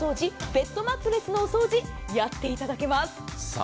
ベッドマットレスのお掃除やっていただけます。